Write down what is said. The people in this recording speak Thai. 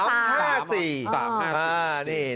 นี่นี่